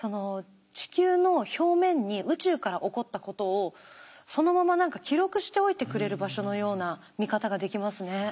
地球の表面に宇宙から起こったことをそのまま何か記録しておいてくれる場所のような見方ができますね。